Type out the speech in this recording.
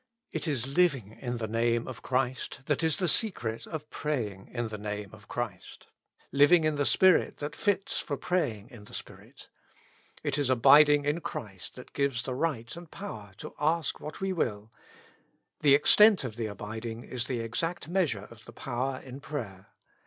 It is living in the Name of Christ that is the secret of praying in the Name of Christ ; living in the Spirit that fits for praying in the Spirit. It is abiding in Christ that gives the right and power to ask what we will ; the extent of the abiding is the exact measure of the power in prayer.